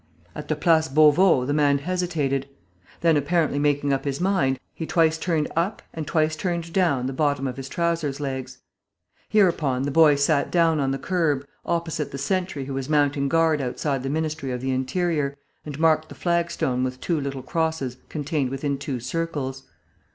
At the Place Beauveau the man hesitated. Then, apparently making up his mind, he twice turned up and twice turned down the bottom of his trousers legs. Hereupon, the boy sat down on the kerb, opposite the sentry who was mounting guard outside the Ministry of the Interior, and marked the flagstone with two little crosses contained within two circles.